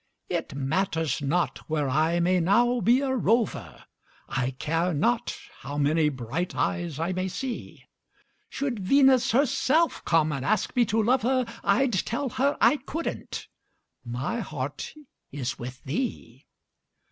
It matters not where I may now be a rover, I care not how many bright eyes I may see; Should Venus herself come and ask me to love her, I'd tell her I couldn't my heart is with thee.